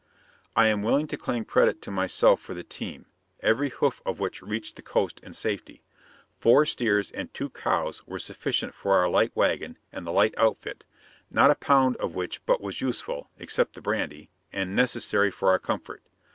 I am willing to claim credit to myself for the team, every hoof of which reached the Coast in safety. Four steers and two cows were sufficient for our light wagon and the light outfit, not a pound of which but was useful (except the brandy) and necessary for our comfort.